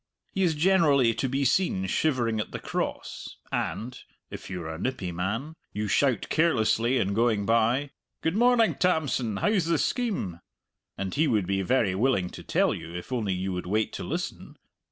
He is generally to be seen shivering at the Cross, and (if you are a nippy man) you shout carelessly in going by, "Good morning, Tamson; how's the scheme?" And he would be very willing to tell you, if only you would wait to listen.